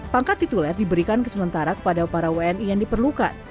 pangkat tituler diberikan sementara kepada para wni yang diperlukan